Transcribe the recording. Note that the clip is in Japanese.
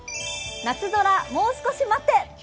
夏空、もう少し待って。